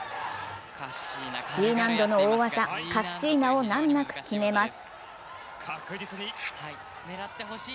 Ｇ難度の大技・カッシーナを難なく決めます。